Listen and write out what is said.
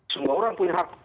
semua orang punya hak